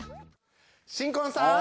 新婚さん。